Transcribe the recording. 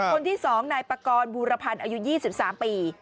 คนที่๒นายปากรบูรพันธ์อายุ๒๓ปี